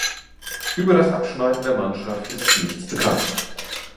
Über das Abschneiden der Mannschaft ist nichts bekannt.